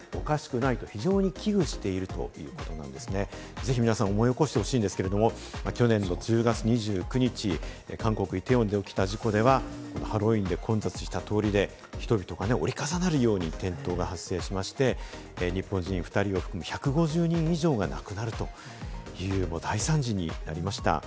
ぜひ皆さん思い起こしてほしいんですけれども、去年の１０月２９日、韓国・イテウォンで起きた事故では、ハロウィーンで混雑した通りで人々が折り重なるように転倒が発生しまして、日本人２人を含む１５０人以上が亡くなるという大惨事になりました。